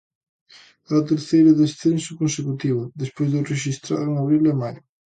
É o terceiro descenso consecutivo, despois do rexistrado en abril e maio.